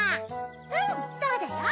うんそうだよ。